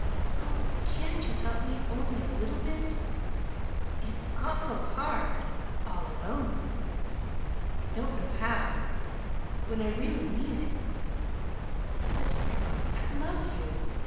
Oh, can't you help me only a little bit? It's awful hard all alone! I don't know how, when I really mean it, but Freckles, I love you.